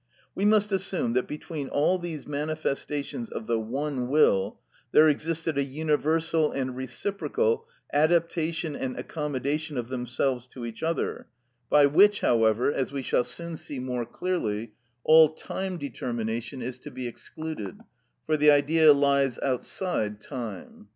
We must assume that between all these manifestations of the one will there existed a universal and reciprocal adaptation and accommodation of themselves to each other, by which, however, as we shall soon see more clearly, all time determination is to be excluded, for the Idea lies outside time.